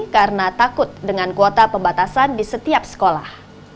karena takut dengan kuota pembatasan di setiap sekolah